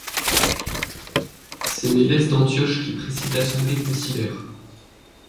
C'est Mélèce d'Antioche qui préside l'assemblée concilaire.